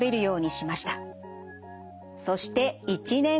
そして１年後。